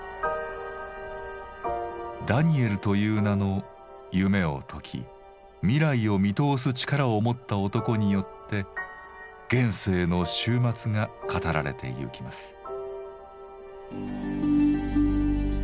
ダニエルという名の夢を解き未来を見通す力をもった男によって現世の終末が語られてゆきます。